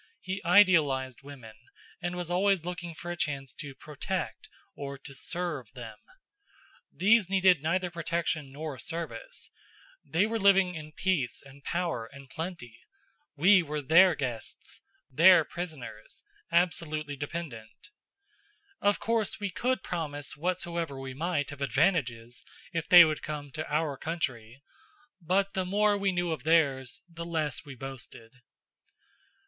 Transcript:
He idealized women, and was always looking for a chance to "protect" or to "serve" them. These needed neither protection nor service. They were living in peace and power and plenty; we were their guests, their prisoners, absolutely dependent. Of course we could promise whatsoever we might of advantages, if they would come to our country; but the more we knew of theirs, the less we boasted.